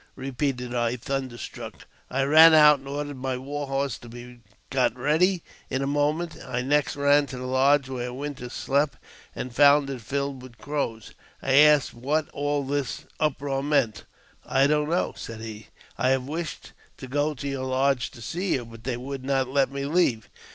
" repeated I, thunderstruck. I ran out and ordered my war horse to be got ready in a. moment. I next ran to the lodge where Winters slept, and JAMES P. BEGKWOUBTH. 229 found it filled with Crows. I asked what all this uproar meant. "I don't know," said he; "I have wished to go to your lodge to see you, but they would not let me leave.